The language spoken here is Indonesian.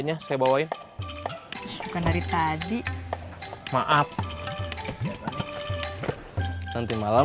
ngapain kamu diem di sini aja